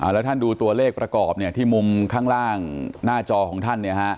แล้วท่านดูตัวเลขประกอบที่มุมข้างล่างหน้าจอของท่าน